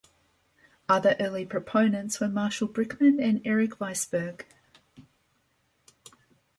Other early proponents were Marshall Brickman and Eric Weissberg.